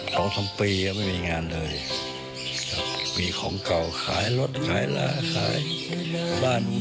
ต้องทำปีก็ไม่มีงานเลยมีของเก่าขายรถขายลาขายบ้านมุมเทพ